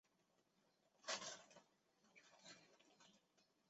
毕业于商丘师范学院行政管理专业。